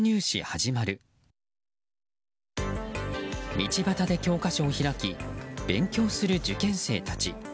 道端で教科書を開き勉強する受験生たち。